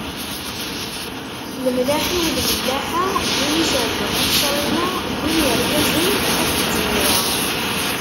Lemlaḥ-iw lmellaḥa, wwin iserdan at ssṛima, wwin yirgazen at d timira.